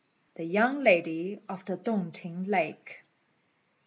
THE YOUNG LADY OF THE TUNG T'ING LAKE.